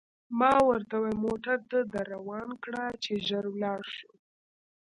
ما ورته وویل: موټر ته در روان کړه، چې ژر ولاړ شو.